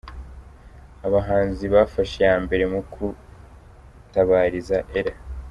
Abahanzi bafashe iya mbere mu gutabariza Ella.